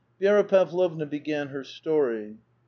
Vi^ra Pavlovna began her story.